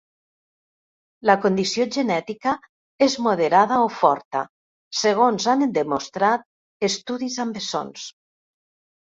La condició genètica és moderada o forta, segons han demostrat estudis amb bessons.